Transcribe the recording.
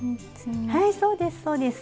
はいそうですそうです。